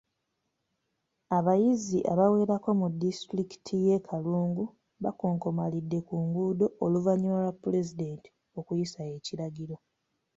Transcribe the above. Abayizi abawerako mu disitulikiti y’e Kalungu bakonkomalidde ku nguudo oluvannyuma lwa Pulezidenti okuyisa ekiragiro.